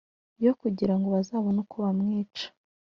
yo kugira ngo bazabone uko bamwica.